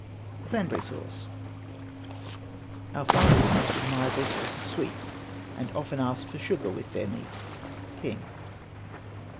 CRANBERRY SAUCE. Our fathers most admired their sauces sweet, And often asked for sugar with their meat. KING.